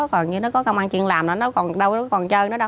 còn như nó có công an chuyện làm nó đâu còn chơi nữa đâu